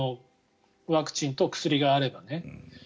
ワクチンと薬があればね。